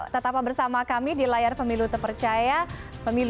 tetap bersama kami di layar pemilu terpercaya pemilu dua ribu sembilan belas